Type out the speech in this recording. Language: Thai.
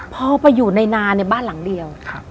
พอไปอยู่ในนาในบ้านหลังเดียว